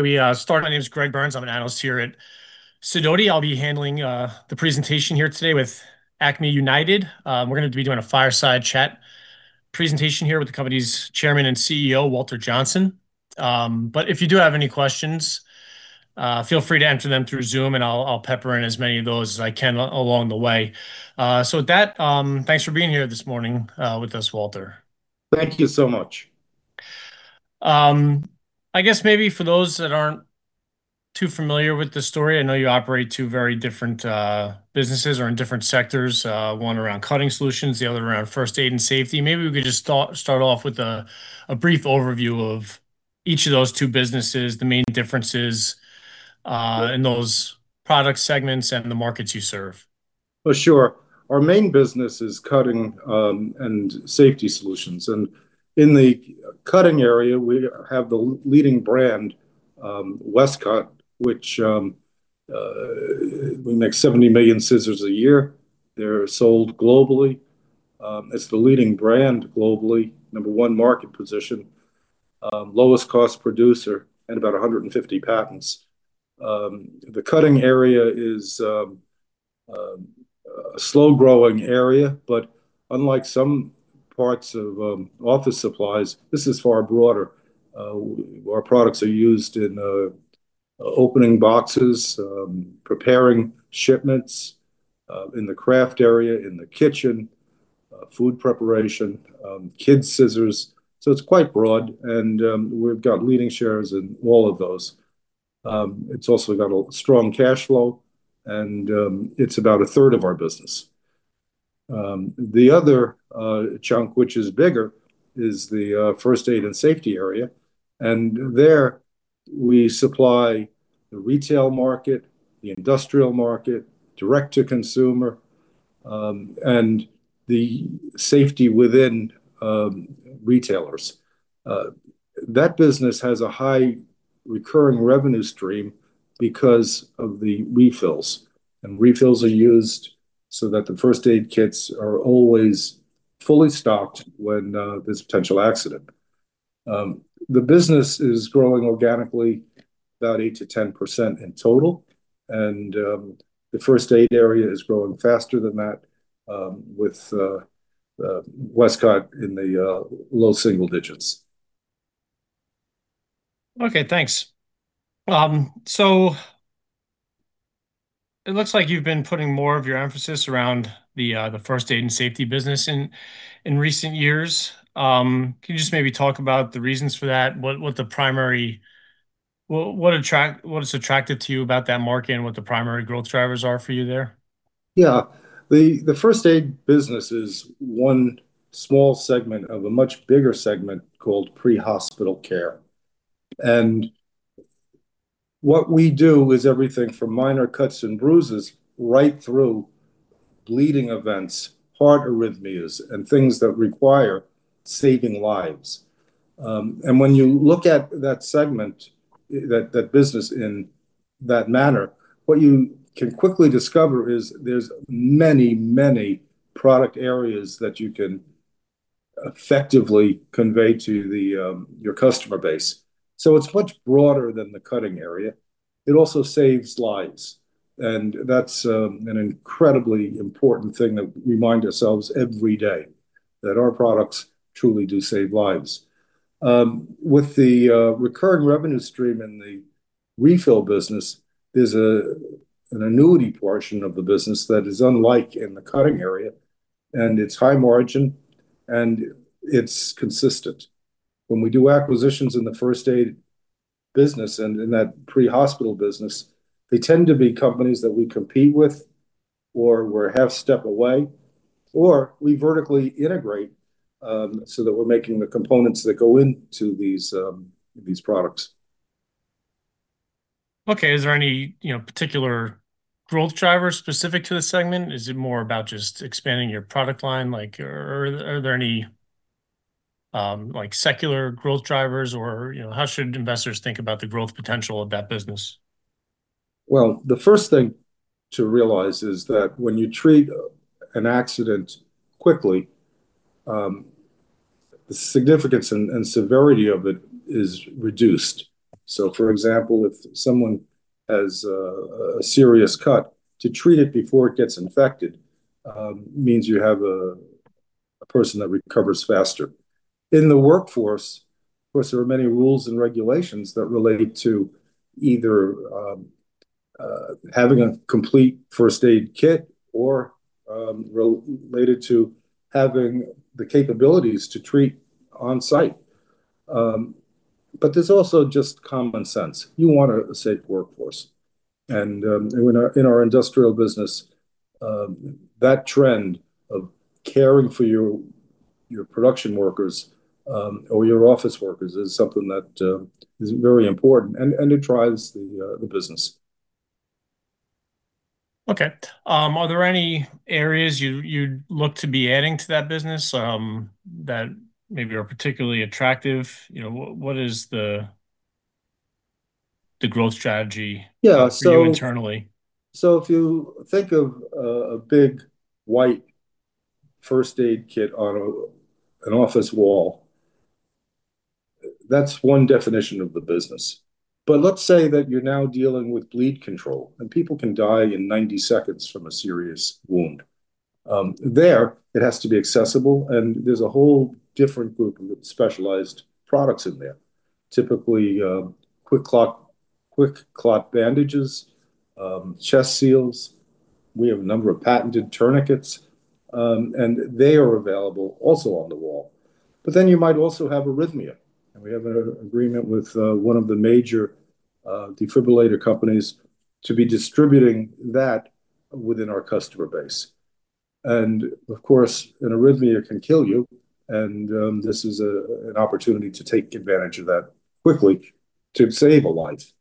We start. My name is Greg Burns. I'm an analyst here at Sidoti. I'll be handling the presentation here today with Acme United. We're going to be doing a fireside chat presentation here with the company's Chairman and CEO, Walter Johnsen. If you do have any questions, feel free to enter them through Zoom and I'll pepper in as many of those as I can along the way. With that, thanks for being here this morning with us, Walter. Thank you so much. I guess maybe for those that aren't too familiar with the story, I know you operate two very different businesses or in different sectors. One around cutting solutions, the other around first aid and safety. Maybe we could just start off with a brief overview of each of those two businesses, the main differences in those product segments and the markets you serve. Oh, sure. Our main business is cutting and safety solutions. In the cutting area, we have the leading brand, Westcott, which we make 70 million scissors a year. They're sold globally. It's the leading brand globally, number one market position, lowest cost producer. About 150 patents. The cutting area is a slow growing area. Unlike some parts of office supplies, this is far broader. Our products are used in opening boxes, preparing shipments, in the craft area, in the kitchen, food preparation, kids scissors. It's quite broad and we've got leading shares in all of those. It's also got a strong cash flow and it's about 1/3 of our business. The other chunk, which is bigger, is the first aid and safety area. There we supply the retail market, the industrial market, direct to consumer, and the safety within retailers. That business has a high recurring revenue stream because of the refills. Refills are used so that the first aid kits are always fully stocked when there's a potential accident. The business is growing organically about 8%-10% in total, and the first aid area is growing faster than that with Westcott in the low single digits. Okay, thanks. It looks like you've been putting more of your emphasis around the first aid and safety business in recent years. Can you just maybe talk about the reasons for that? What it's attractive to you about that market and what the primary growth drivers are for you there? Yeah. The first aid business is one small segment of a much bigger segment called pre-hospital care. What we do is everything from minor cuts and bruises right through bleeding events, heart arrhythmias, and things that require saving lives. When you look at that segment, that business in that manner, what you can quickly discover is there's many, many product areas that you can effectively convey to your customer base. It's much broader than the cutting area. It also saves lives, and that's an incredibly important thing that we remind ourselves every day, that our products truly do save lives. With the recurring revenue stream and the refill business, there's an annuity portion of the business that is unlike in the cutting area, and it's high margin and it's consistent. When we do acquisitions in the first aid business and in that pre-hospital business, they tend to be companies that we compete with or we're a half step away, or we vertically integrate, so that we're making the components that go into these products. Okay. Is there any particular growth driver specific to this segment? Is it more about just expanding your product line? Are there any secular growth drivers or how should investors think about the growth potential of that business? The first thing to realize is that when you treat an accident quickly, the significance and severity of it is reduced. For example, if someone has a serious cut, to treat it before it gets infected means you have a person that recovers faster. In the workforce, of course, there are many rules and regulations that relate to either having a complete first aid kit or related to having the capabilities to treat on-site. There's also just common sense. You want a safe workforce. In our industrial business, that trend of caring for your production workers, or your office workers is something that is very important and it drives the business. Okay. Are there any areas you'd look to be adding to that business that maybe are particularly attractive? What is the growth strategy? Yeah. for you internally? If you think of a big white first aid kit on an office wall, that's one definition of the business. Let's say that you're now dealing with bleed control, and people can die in 90 seconds from a serious wound. There, it has to be accessible, and there's a whole different group of specialized products in there. Typically, QuikClot bandages, chest seals. We have a number of patented tourniquets, and they are available also on the wall. You might also have arrhythmia, and we have an agreement with one of the major defibrillator companies to be distributing that within our customer base. Of course, an arrhythmia can kill you, and this is an opportunity to take advantage of that quickly to save a life.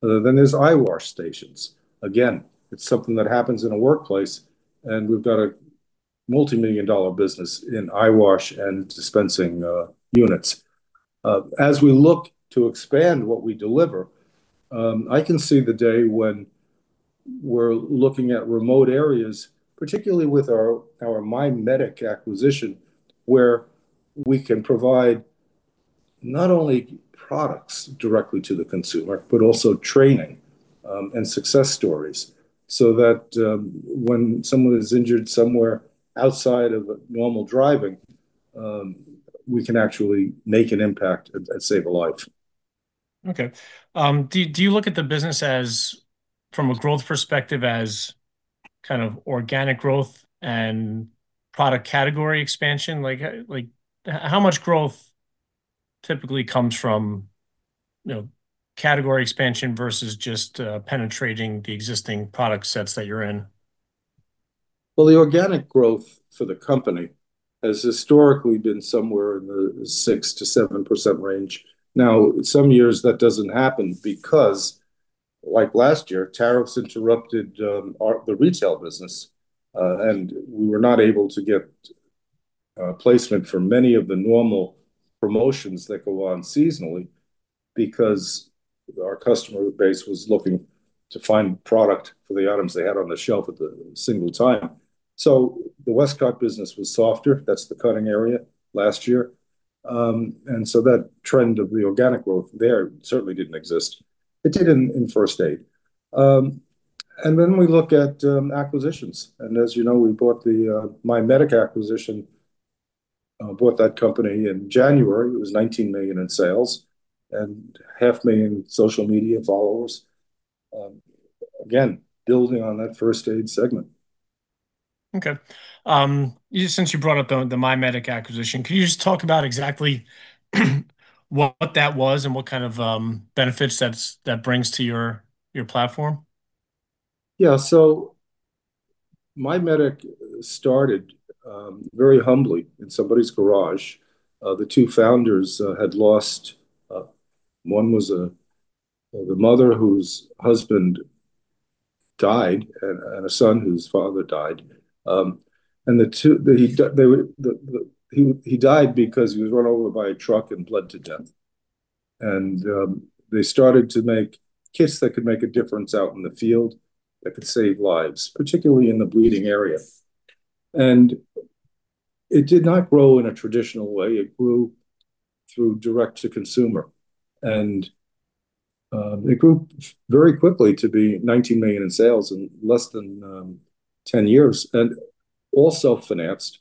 There's eyewash stations. It's something that happens in a workplace, and we've got a multimillion-dollar business in eyewash and dispensing units. As we look to expand what we deliver, I can see the day when we're looking at remote areas, particularly with our My Medic acquisition, where we can provide not only products directly to the consumer, but also training and success stories, so that when someone is injured somewhere outside of normal driving, we can actually make an impact and save a life. Okay. Do you look at the business from a growth perspective as kind of organic growth and product category expansion? How much growth typically comes from category expansion versus just penetrating the existing product sets that you're in? Well, the organic growth for the company has historically been somewhere in the 6%-7% range. Some years that doesn't happen because, like last year, tariffs interrupted the retail business. We were not able to get placement for many of the normal promotions that go on seasonally because our customer base was looking to find product for the items they had on the shelf at the single time. The Westcott business was softer. That's the cutting area last year. That trend of the organic growth there certainly didn't exist. It did in first aid. We look at acquisitions, and as you know, we bought the My Medic acquisition. Bought that company in January. It was $19 million in sales and $500,000 social media followers. Again, building on that first aid segment. Since you brought up the My Medic acquisition, could you just talk about exactly what that was and what kind of benefits that brings to your platform? Yeah. My Medic started very humbly in somebody's garage. The two founders had lost. One was the mother whose husband died and a son whose father died. He died because he was run over by a truck and bled to death. They started to make kits that could make a difference out in the field, that could save lives, particularly in the bleeding area. It did not grow in a traditional way. It grew through direct to consumer, and it grew very quickly to be $19 million in sales in less than 10 years and all self-financed.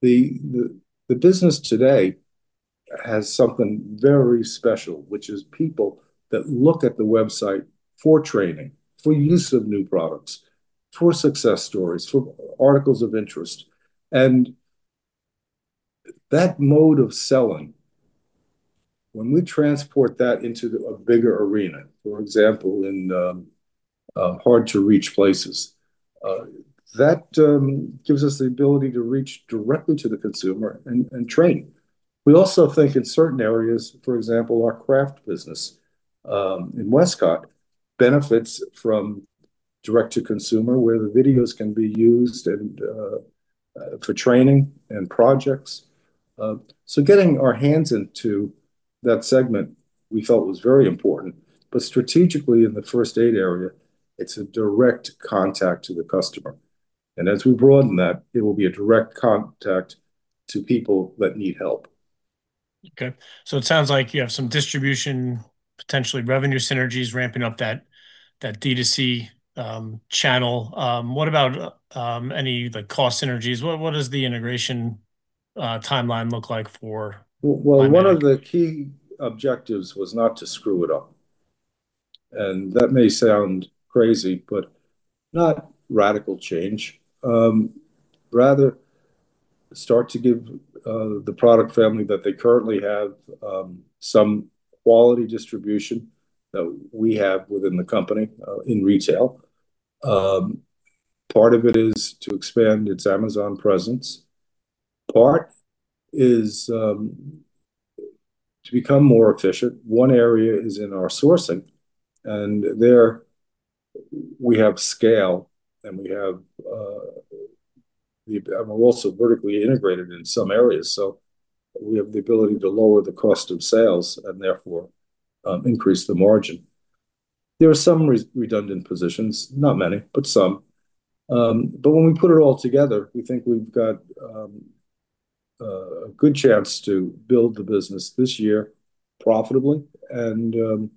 The business today has something very special, which is people that look at the website for training, for use of new products, for success stories, for articles of interest. That mode of selling, when we transport that into a bigger arena, for example, in hard-to-reach places, that gives us the ability to reach directly to the consumer and train. We also think in certain areas, for example, our craft business, in Westcott benefits from direct to consumer, where the videos can be used and for training and projects. Getting our hands into that segment we felt was very important. Strategically, in the first aid area, it's a direct contact to the customer, and as we broaden that, it will be a direct contact to people that need help. Okay. It sounds like you have some distribution, potentially revenue synergies ramping up that D2C channel. What about any cost synergies? What does the integration timeline look like for My Medic? Well, one of the key objectives was not to screw it up. That may sound crazy, but not radical change. Rather start to give the product family that they currently have some quality distribution that we have within the company in retail. Part of it is to expand its Amazon presence. Part is to become more efficient. One area is in our sourcing. There we have scale, and we're also vertically integrated in some areas, so we have the ability to lower the cost of sales and therefore increase the margin. There are some redundant positions, not many, but some. When we put it all together, we think we've got a good chance to build the business this year profitably and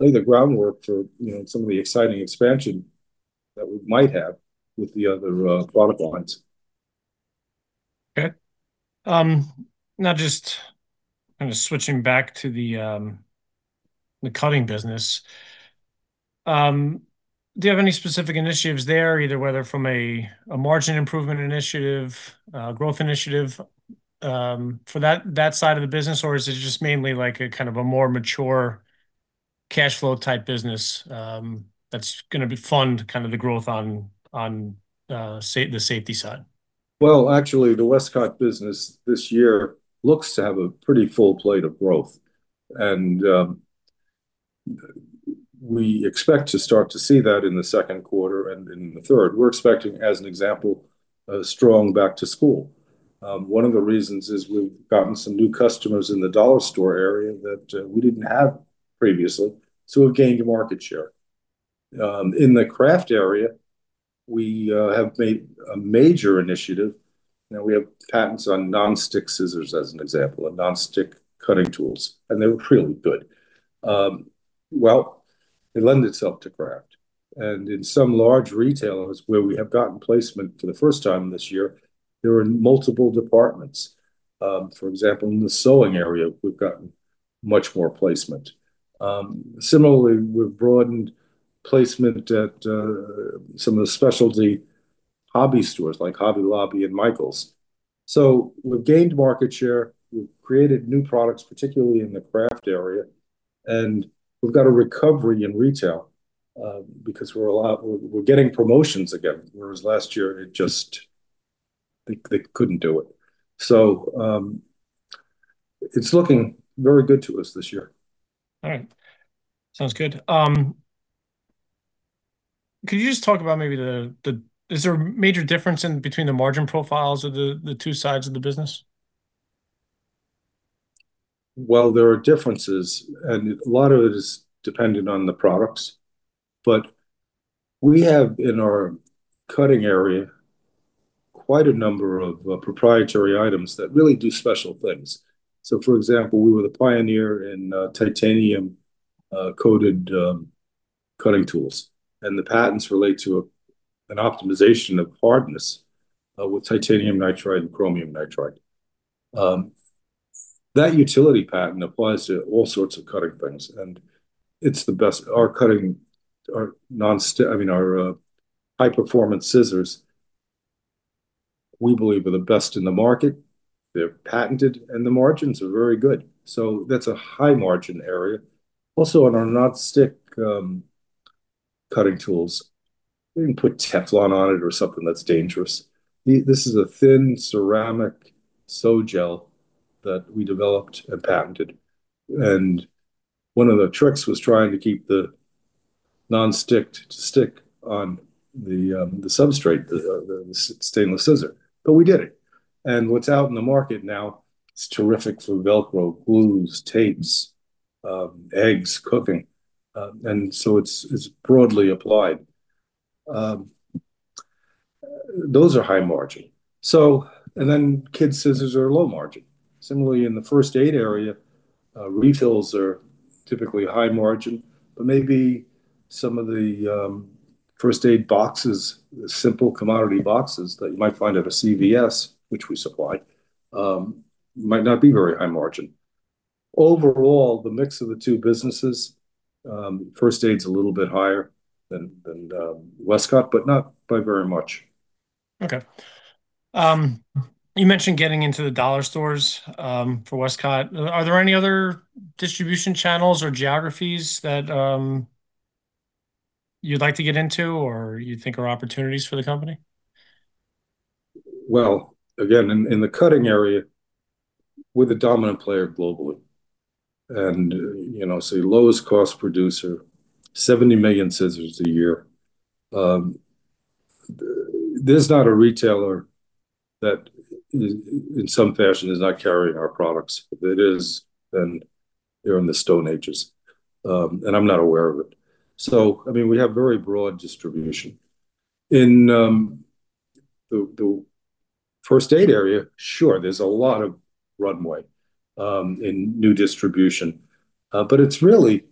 lay the groundwork for some of the exciting expansion that we might have with the other product lines. Okay. Now just switching back to the cutting business. Do you have any specific initiatives there, either whether from a margin improvement initiative, a growth initiative, for that side of the business, or is it just mainly a more mature cash flow type business that's going to fund the growth on the safety side? Actually, the Westcott business this year looks to have a pretty full plate of growth. We expect to start to see that in the second quarter and in the third. We're expecting, as an example, a strong back to school. One of the reasons is we've gotten some new customers in the dollar store area that we didn't have previously, so we've gained a market share. In the craft area, we have made a major initiative. We have patents on non-stick scissors as an example, and non-stick cutting tools, and they're really good. It lend itself to craft. In some large retailers where we have gotten placement for the first time this year, there are multiple departments. For example, in the sewing area, we've gotten much more placement. Similarly, we've broadened placement at some of the specialty hobby stores like Hobby Lobby and Michaels. We've gained market share, we've created new products, particularly in the craft area, and we've got a recovery in retail, because we're getting promotions again, whereas last year they couldn't do it. It's looking very good to us this year. All right. Sounds good. Could you just talk about maybe is there a major difference between the margin profiles of the two sides of the business? Well, there are differences, and a lot of it is dependent on the products. We have in our cutting area quite a number of proprietary items that really do special things. For example, we were the pioneer in titanium-coated cutting tools, and the patents relate to an optimization of hardness, with titanium nitride and chromium nitride. That utility patent applies to all sorts of cutting things, and our high-performance scissors, we believe are the best in the market. They're patented, and the margins are very good. That's a high-margin area. On our non-stick cutting tools, we didn't put Teflon on it or something that's dangerous. This is a thin ceramic sol-gel that we developed and patented. One of the tricks was trying to keep the non-stick to stick on the substrate, the stainless scissor. We did it. What's out in the market now is terrific for Velcro, glues, tapes, eggs, cooking. It's broadly applied. Those are high margin. Kids scissors are low margin. Similarly, in the first aid area, refills are typically high margin, but maybe some of the first aid boxes, the simple commodity boxes that you might find at a CVS, which we supply, might not be very high margin. Overall, the mix of the two businesses, first aid's a little bit higher than Westcott, but not by very much. Okay. You mentioned getting into the dollar stores, for Westcott. Are there any other distribution channels or geographies that you'd like to get into or you think are opportunities for the company? Well, again, in the cutting area, we're the dominant player globally. Say lowest cost producer, 70 million scissors a year. There's not a retailer that in some fashion is not carrying our products. If it is, then they're in the Stone Ages. I'm not aware of it. We have very broad distribution. In the first aid area, sure, there's a lot of runway in new distribution. It's really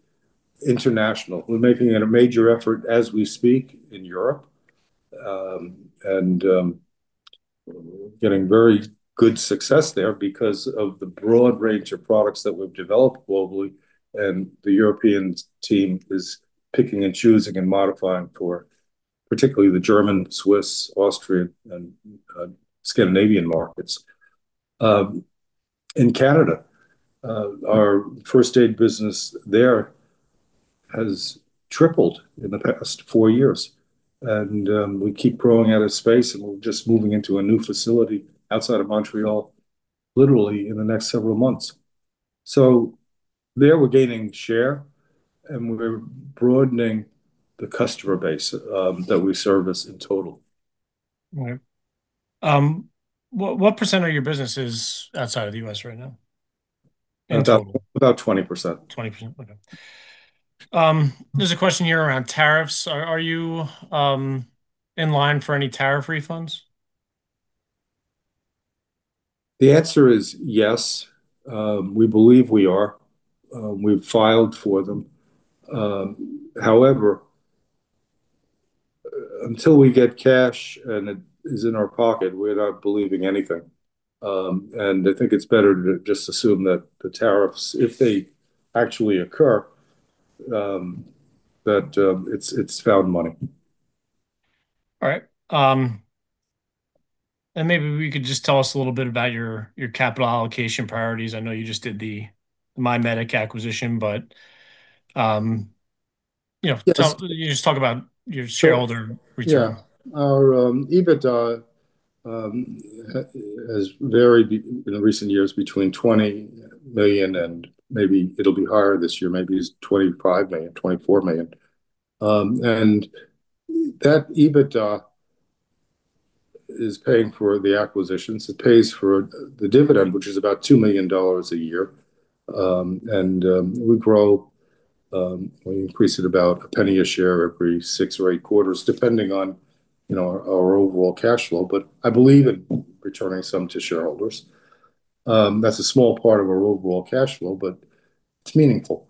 international. We're making it a major effort as we speak in Europe, and getting very good success there because of the broad range of products that we've developed globally. The European team is picking and choosing and modifying for, particularly the German, Swiss, Austrian, and Scandinavian markets. In Canada, our first aid business there has tripled in the past four years. We keep growing out of space, and we're just moving into a new facility outside of Montreal, literally in the next several months. There we're gaining share, and we're broadening the customer base that we service in total. Right. What percent of your business is outside of the U.S. right now in total? About 20%. 20%, okay. There's a question here around tariffs. Are you in line for any tariff refunds? The answer is yes, we believe we are. We've filed for them. However, until we get cash and it is in our pocket, we're not believing anything. I think it's better to just assume that the tariffs, if they actually occur, that it's found money. All right. Maybe we could just tell us a little bit about your capital allocation priorities. I know you just did the My Medic acquisition, but. Yes you just talk about your shareholder return. Yeah. Our EBITDA has varied in recent years between $20 million and maybe it'll be higher this year, maybe it's $25 million, $24 million. That EBITDA is paying for the acquisitions. It pays for the dividend, which is about $2 million a year. We grow, we increase it about $0.01 a share every six or eight quarters, depending on our overall cash flow. I believe in returning some to shareholders. That's a small part of our overall cash flow, but it's meaningful.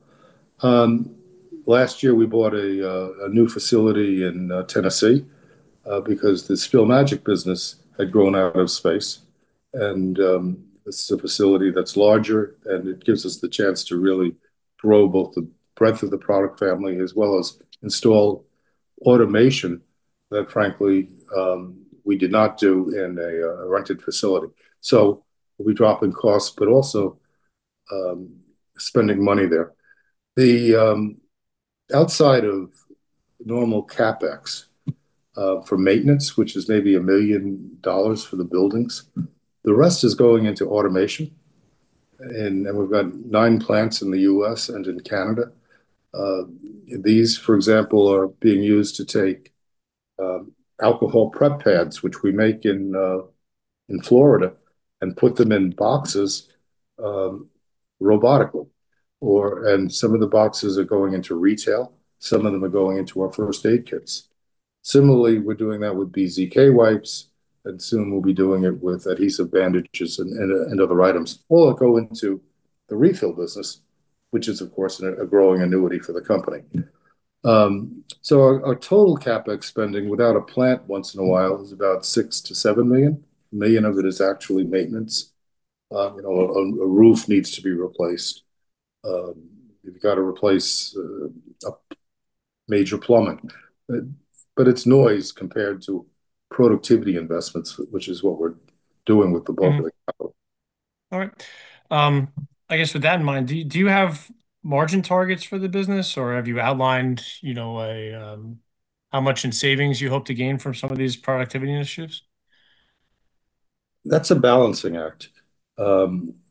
Last year we bought a new facility in Tennessee, because the Spill Magic business had grown out of space, and this is a facility that's larger and it gives us the chance to really grow both the breadth of the product family as well as install automation that frankly, we did not do in a rented facility. We're dropping costs, but also spending money there. Outside of normal CapEx for maintenance, which is maybe $1 million for the buildings, the rest is going into automation, we've got nine plants in the U.S. and in Canada. These, for example, are being used to take alcohol prep pads, which we make in Florida and put them in boxes robotically. Some of the boxes are going into retail, some of them are going into our first aid kits. Similarly, we're doing that with BZK wipes, soon we'll be doing it with adhesive bandages and other items. All that go into the refill business, which is, of course, a growing annuity for the company. Our total CapEx spending without a plant once in a while is about $6 million-$7 million. $1 million of it is actually maintenance. A roof needs to be replaced. You've got to replace major plumbing, but it's noise compared to productivity investments, which is what we're doing with the bulk of the capital. All right. I guess with that in mind, do you have margin targets for the business or have you outlined how much in savings you hope to gain from some of these productivity initiatives? That's a balancing act.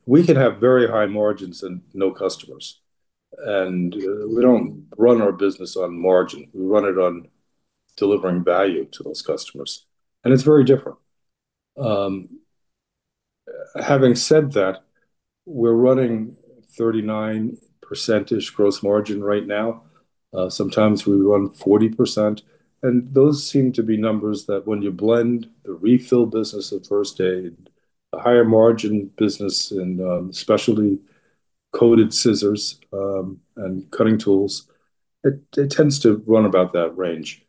We can have very high margins and no customers, and we don't run our business on margin. We run it on delivering value to those customers, and it's very different. Having said that, we're running 39% gross margin right now. Sometimes we run 40%, and those seem to be numbers that when you blend the refill business with first aid, a higher margin business in specialty coded scissors, and cutting tools, it tends to run about that range.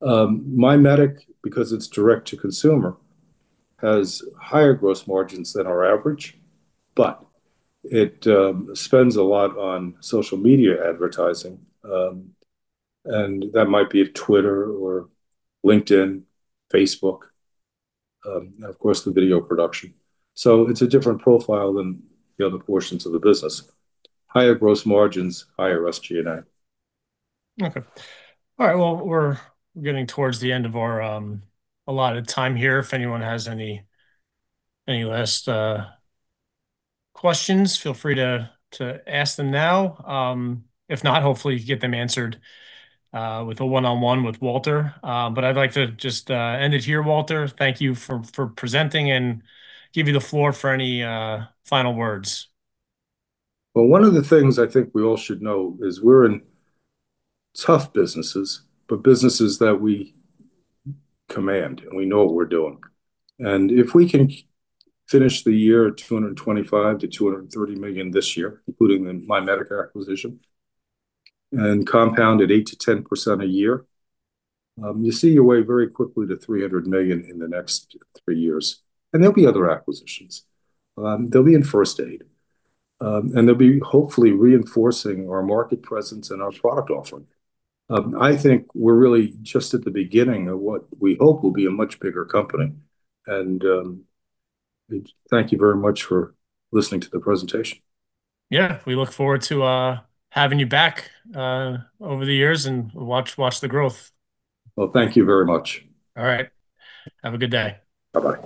My Medic, because it's direct to consumer, has higher gross margins than our average, but it spends a lot on social media advertising. That might be Twitter or LinkedIn, Facebook, and of course, the video production. It's a different profile than the other portions of the business. Higher gross margins, higher SG&A. Okay. All right. We're getting towards the end of our allotted time here. If anyone has any last questions, feel free to ask them now. If not, hopefully you get them answered with a one-on-one with Walter. I'd like to just end it here, Walter. Thank you for presenting, and give you the floor for any final words. Well, one of the things I think we all should know is we're in tough businesses, but businesses that we command and we know what we're doing. If we can finish the year at $225 million-$230 million this year, including the My Medic acquisition, and compound at 8%-10% a year, you see your way very quickly to $300 million in the next three years. There'll be other acquisitions. They'll be in first aid, and they'll be hopefully reinforcing our market presence and our product offering. I think we're really just at the beginning of what we hope will be a much bigger company. Thank you very much for listening to the presentation. Yeah. We look forward to having you back over the years and watch the growth. Well, thank you very much. All right. Have a good day. Bye-bye.